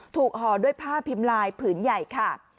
ห่อด้วยผ้าพิมพ์ลายผืนใหญ่ค่ะ